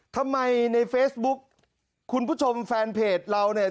ทำไมในเฟซบุ๊กคุณผู้ชมแฟนเพจเราเนี่ย